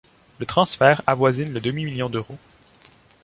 Le transfert avoisine le demi-million d'euros.